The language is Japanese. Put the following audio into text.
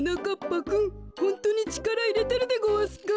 ぱくんホントにちからいれてるでごわすか？